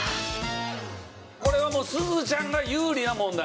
これはもうすずちゃんが有利な問題。